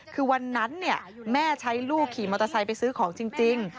คือวันนั้นแม่ใช้ลูกขี่มอเตอร์ไซค์ไปซื้อของจริง